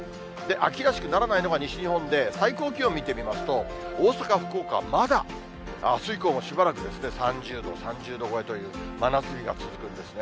秋らしくならないのが西日本で、最高気温見てみますと、大阪、福岡はまだあす以降もしばらく３０度、３０度超えという、真夏日が続くんですね。